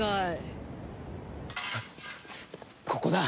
ここだ。